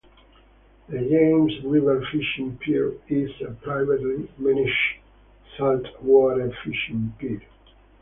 The James River Fishing Pier is a privately managed saltwater fishing pier.